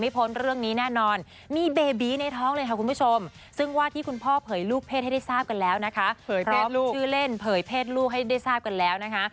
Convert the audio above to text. เพลินเผยเพศลูกให้ได้ทราบกันแล้วนะคะ